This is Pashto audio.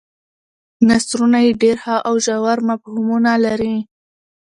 نثرونه یې ډېر ښه او ژور مفهومونه لري.